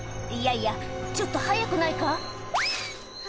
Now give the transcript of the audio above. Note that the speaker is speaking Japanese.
いやいやちょっと早くないか？